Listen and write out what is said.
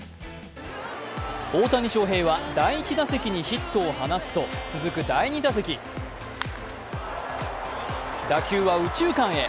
大谷翔平は第１打席にヒットを放つと続く第２打席、打球は右中間へ。